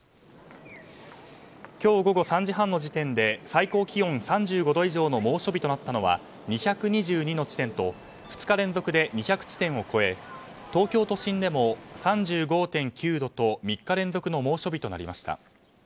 今日午後３時半の時点で最高気温３５度以上の猛暑日となったのは２２２の地点と２日連続で２００地点を超え東京都心でも３５．９度と３日連続の猛暑日となりました。